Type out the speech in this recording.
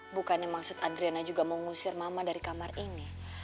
bukannya maksud adriana juga mengusir mama dari kamar ini